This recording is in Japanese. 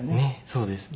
そうですか。